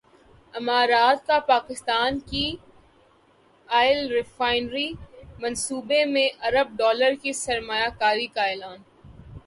امارات کا پاکستان کی ئل ریفائنری منصوبے میں ارب ڈالر کی سرمایہ کاری کا اعلان